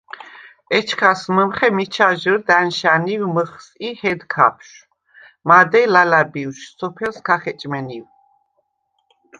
ეჩქას მჷმხე მიჩა ჟჷრდ ა̈ნშა̈ნივ მჷხს ი ჰედ ქაფშვ, მადეჲ ლალა̈ბიშვ სოფელს ქა ხეჭმენივ.